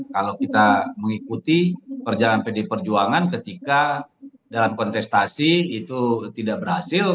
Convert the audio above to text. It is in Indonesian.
kalau kita mengikuti perjalanan pd perjuangan ketika dalam kontestasi itu tidak berhasil